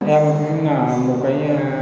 em cũng là một cái